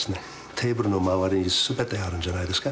テーブルの周りに全てあるんじゃないですか。